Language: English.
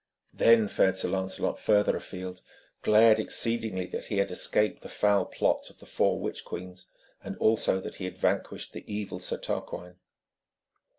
Then fared Sir Lancelot further afield, glad exceedingly that he had escaped the foul plots of the four witch queens, and also that he had vanquished the evil Sir Turquine.